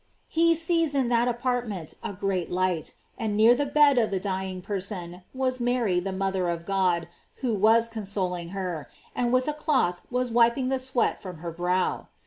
He sees in that apart ment a great light, and near the bed of the dying person was Mary the mother of God, who was con soling her, and with a cloth was wiping the sweat from her brow.